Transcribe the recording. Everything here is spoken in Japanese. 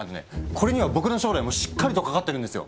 これには僕の将来もしっかりとかかってるんですよ。